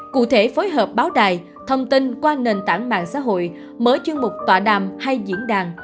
cụ thể phối hợp báo đài thông tin qua nền tảng mạng xã hội mở chương mục tọa đàm hay diễn đàn